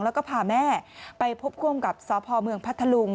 แล้วก็พาแม่ไปพบคว่ำกับสพเมืองพัทธลุง